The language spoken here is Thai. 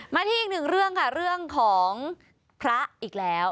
มาที่อีกหนึ่งเรื่องค่ะเรื่องของพระอีกแล้ว